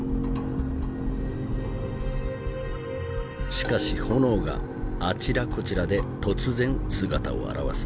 しかし炎があちらこちらで突然姿を現す。